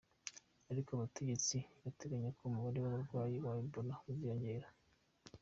Ariko abategetsi bateganya ko umubare w'abarwayi ba Ebola uziyongera.